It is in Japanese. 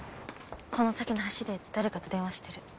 この先の橋で誰かと電話してる。